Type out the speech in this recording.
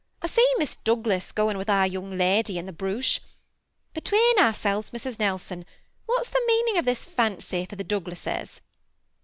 I see Miss Douglas goes with your young lady in the brooche. Between ourselves, Mrs. Nelson, what 's the meaning of this fancy for the Douglases